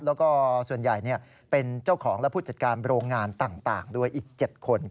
แล้วก็ส่วนใหญ่เป็นเจ้าของและผู้จัดการโรงงานต่างด้วยอีก๗คน